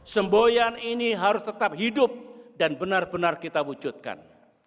semboyan ini harus tetap hidup dan benar benar kita wujudkan